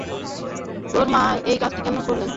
তোমার মা এই কাজটি কেন করলেন?